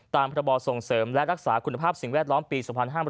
พระบอส่งเสริมและรักษาคุณภาพสิ่งแวดล้อมปี๒๕๕๘